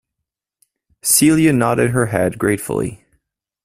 Celia nodded her head gratefully.